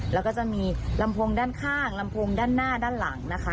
แล้วก็จะมีลำโพงด้านข้างลำโพงด้านหน้าด้านหลังนะคะ